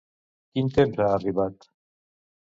Quin temps ha arribat?